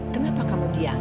kenapa kamu diam